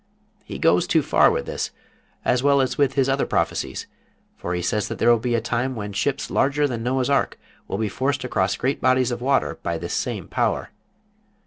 He goes too far with this, as well as with his other prophecies, for he says that there will be a time when ships larger than Noah's Ark will be forced across great bodies of water by this same power.